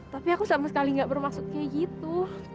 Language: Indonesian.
tapi aku sama sekali gak bermaksud kayak gitu